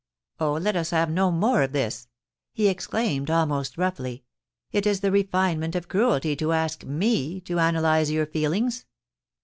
... Oh, let us have no more of this !' he exclaimed, almost roughly ; *it is the refinement of cruelty to ask me to analyse your feelings.